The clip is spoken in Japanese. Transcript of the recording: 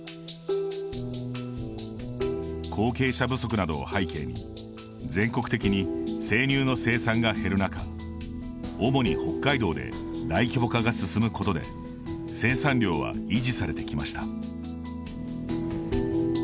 後継者不足などを背景に全国的に生乳の生産が減る中主に北海道で大規模化が進むことで生産量は維持されてきました。